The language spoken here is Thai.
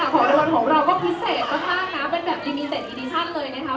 ก็เหมือนพยายามเธอกว่าเจ้าหนูนะ